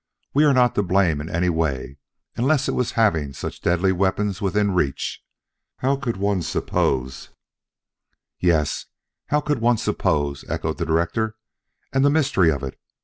We were not to blame in any way, unless it was in having such deadly weapons within reach. How could one suppose " "Yes, how could one suppose!" echoed the director. "And the mystery of it!